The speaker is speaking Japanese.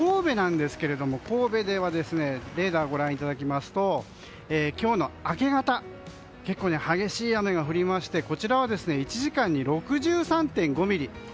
神戸ではレーダーをご覧いただきますと今日の明け方結構激しい雨が降りましてこちらは１時間に６３．５ミリ。